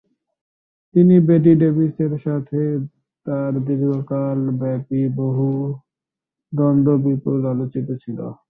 অভিনেত্রী বেটি ডেভিসের সাথে তার দীর্ঘকাল ব্যাপী দ্বন্দ্ব বিপুল আলোচিত ছিল।